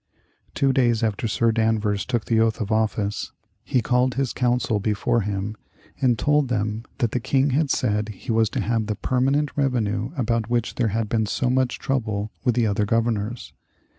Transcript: Two days after Sir Danvers took the oath of office he called his council before him and told them that the King had said he was to have the permanent revenue about which there had been so much trouble with the other governors.